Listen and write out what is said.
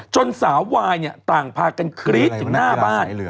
สาววายต่างพากันกรี๊ดถึงหน้าบ้าน